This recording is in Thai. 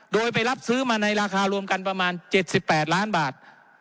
โดยไปรับซื้อมาในราคารวมกันประมาณ๗๘ล้านบาท